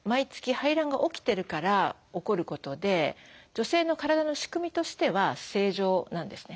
排卵が起きてるから起こることで女性の体の仕組みとしては正常なんですね。